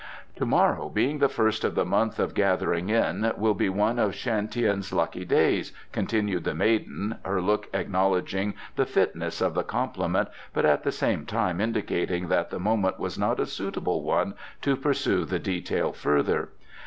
"To morrow, being the first of the Month of Gathering in, will be one of Shan Tien's lucky days," continued the maiden, her look acknowledging the fitness of the compliment, but at the same time indicating that the moment was not a suitable one to pursue the detail further.